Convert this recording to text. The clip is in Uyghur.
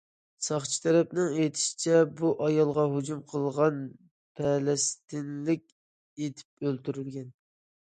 ساقچى تەرەپنىڭ ئېيتىشىچە، بۇ ئايالغا ھۇجۇم قىلغان پەلەستىنلىك ئېتىپ ئۆلتۈرۈلگەن.